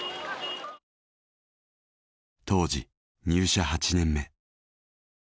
当時入社８年目。